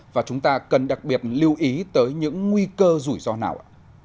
và chúng ta cần đặc biệt lưu ý tới những nguy cơ rủi ro nào ạ